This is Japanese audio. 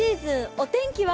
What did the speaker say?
お天気は？